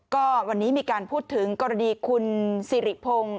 ก็วันนี้มีการพูดถึงกรณีคุณสิริพงศ์